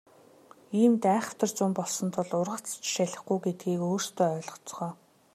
Иймд айхавтар зун болсон тул ургац ч шалихгүй гэдгийг өөрсдөө ойлгоцгоо.